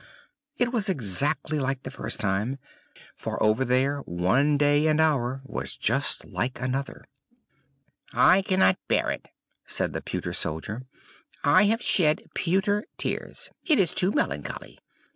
it was exactly like the first time, for over there one day and hour was just like another. "I cannot bear it!" said the pewter soldier. "I have shed pewter tears! It is too melancholy!